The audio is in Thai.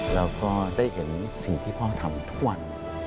แล้วก็ได้เห็นสิ่งที่พ่อทำทุกวัน